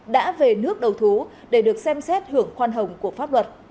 đã về nước đầu thú để được xem xét hưởng khoan hồng của pháp luật